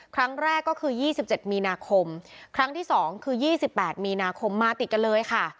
ครั้งแรกก็คือ๒๗มีนาคมครั้งที่๒คือ๒๘มีนาคมมาติดกันเลยค่ะ